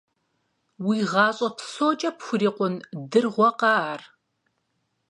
Уи гъащӀэ псокӀэ пхурикъун дыргъуэкъэ ар?!